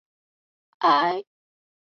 埃吉耶。